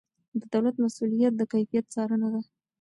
د دولت مسؤلیت د کیفیت څارنه ده.